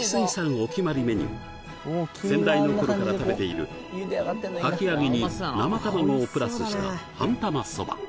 お決まりメニュー先代の頃から食べているかき揚げに生卵をプラスした半玉そば